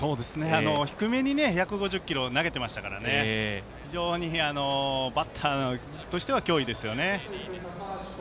低めに１５０キロを投げてましたから非常にバッターとしては脅威ですよね。